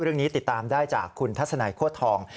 เรื่องนี้ติดตามได้จากคุณทัศนัยโคตรทอง